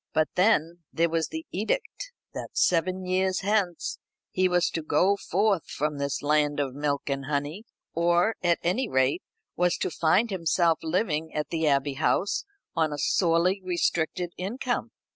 But then there was the edict that seven years hence he was to go forth from this land of milk and honey; or, at any rate, was to find himself living at the Abbey House on a sorely restricted income.